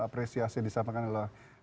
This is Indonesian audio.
apresiasi disampaikan oleh